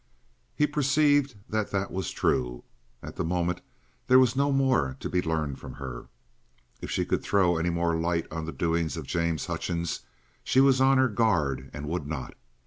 He perceived that that was true. At the moment there was no more to be learned from her. If she could throw any more light on the doings of James Hutchings, she was on her guard and would not.